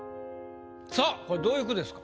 さぁこれどういう句ですか？